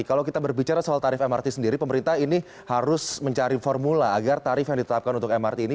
kalau kita berbicara soal tarif mrt sendiri pemerintah ini harus mencari formula agar tarif yang ditetapkan untuk mrt ini